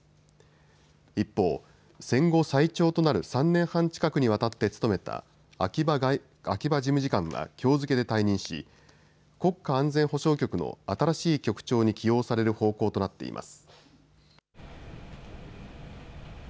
一方戦後最長となる３年半近くにわたって務めた秋葉事務次官はきょう付けで退任し国家安全保障局の新しい局長に起用される方向となっています。